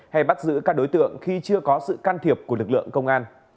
hay bắt giữ các đối tượng khi chưa có sự can thiệp của lực lượng công an